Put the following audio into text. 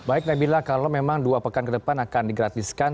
baik nabila kalau memang dua pekan ke depan akan digratiskan